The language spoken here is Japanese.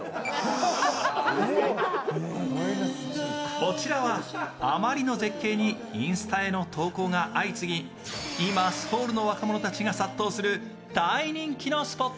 こちらは、あまりの絶景にインスタへの投稿が相次ぎ今、ソウルの若者たちが殺到する大人気のスポット。